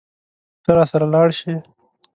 ته راسره لاړ شې.